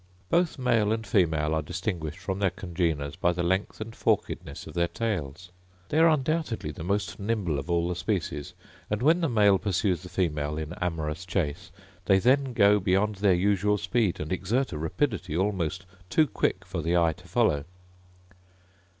Both male and female are distinguished from their congeners by the length and forkedness of their tails. They are undoubtedly the most nimble of all the species: and when the male pursues the female in amorous chase, they then go beyond their usual speed, and exert a rapidity almost too quick for the eye to follow.